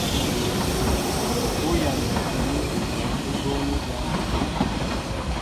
Ú yamɛ gwɛ̌m ígi jǎn ú bóóní jǎn jí bū.